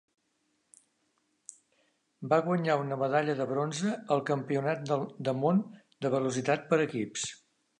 Va guanyar una medalla de bronze al Campionat de món de Velocitat per equips.